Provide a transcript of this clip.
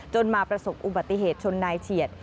มาประสบอุบัติเหตุชนนายเฉียด